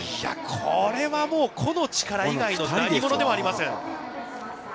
これはもう個の力以外の何者でもありません。